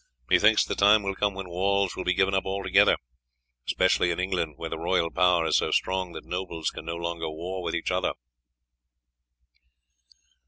Me thinks the time will come when walls will be given up altogether, especially in England, where the royal power is so strong that nobles can no longer war with each other."